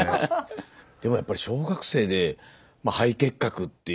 でもやっぱり小学生でまあ肺結核っていう。